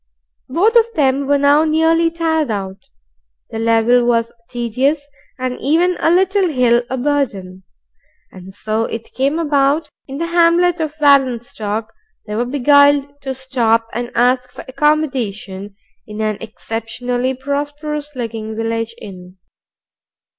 Both of them were now nearly tired out, the level was tedious, and even a little hill a burden; and so it came about that in the hamlet of Wallenstock they were beguiled to stop and ask for accommodation in an exceptionally prosperous looking village inn.